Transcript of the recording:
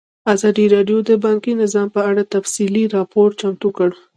ازادي راډیو د بانکي نظام په اړه تفصیلي راپور چمتو کړی.